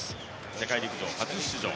世界陸上初出場。